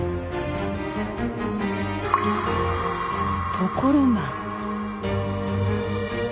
ところが。